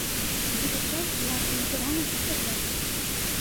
У гэта ж час была арганізавана картатэка.